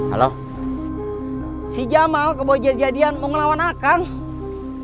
halo si jamal kebojot jadian mau ngelawan kang nus